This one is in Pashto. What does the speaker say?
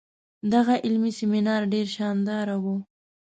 دغه علمي سیمینار ډیر شانداره وو.